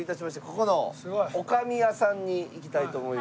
ここのおかみ家さんに行きたいと思います。